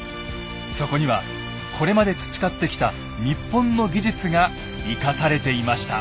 そこにはこれまで培ってきた日本の技術が生かされていました。